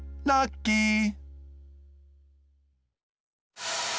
ラッキー！